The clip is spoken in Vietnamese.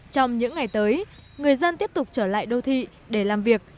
trong những ngày tới người dân tiếp tục trở lại đô thị để làm việc